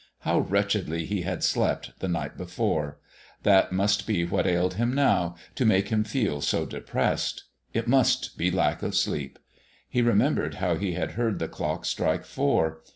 How wretchedly he had slept the night before that must be what ailed him now, to make him feel so depressed. It must be lack of sleep. He remembered how he had heard the clock strike four.